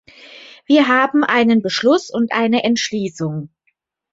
Wir haben einen Beschluss und eine Entschließung.